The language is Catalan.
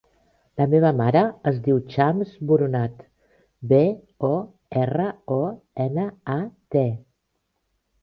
La meva mare es diu Chams Boronat: be, o, erra, o, ena, a, te.